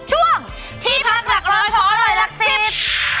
ช่วงที่พักหลักร้อยของอร่อยหลักสิบ